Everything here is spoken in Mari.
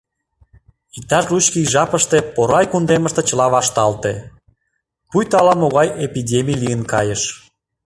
Иктаж лучко ий жапыште Порай кундемыште чыла вашталте, пуйто ала-могай эпидемий лийын кайыш.